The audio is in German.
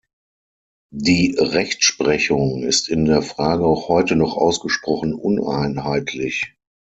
Die Rechtsprechung ist in der Frage auch heute noch ausgesprochen uneinheitlich.